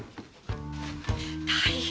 大変。